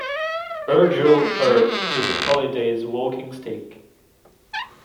Virgil Earp took Holliday's walking stick.